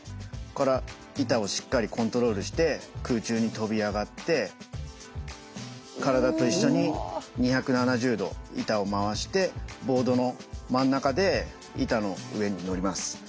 ここから板をしっかりコントロールして空中に跳び上がって体と一緒に２７０度板を回してボードの真ん中で板の上に乗ります。